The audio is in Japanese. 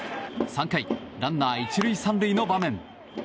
３回、ランナー１塁３塁の場面。